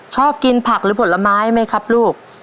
ชอบกินผักหรือผลไม้ไหมครับลูก